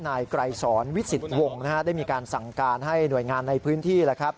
นายไกรสอนวิสิตวงศ์ได้มีการสั่งการให้หน่วยงานในพื้นที่แล้วครับ